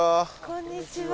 こんにちは。